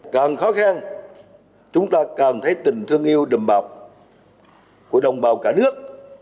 còn khó khăn chúng ta cần thấy tình thương yêu đầm bọc của đồng bào cả nước